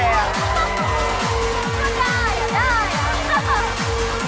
หัวใหญ่นะครับหัวใหญ่ใช่ไหม